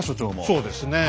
そうですねえ。